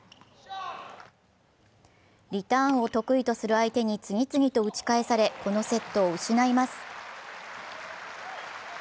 リターンを得意とする相手に次々と打ち返され、このセットを失います。